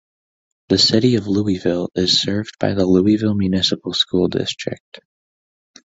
The City of Louisville is served by the Louisville Municipal School District.